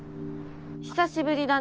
久しぶりだね。